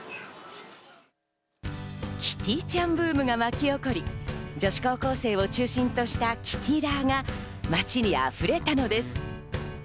キティちゃんブームが巻き起こり、女子高校生を中心としたキティラーが街に溢れたのです。